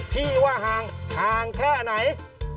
ที่ว่าห่างแค่ไหน